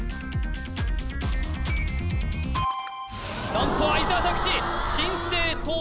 ランプは伊沢拓司